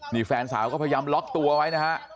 นี่แฟนสาวก็พยายามล็อกตัวไว้นะฮะ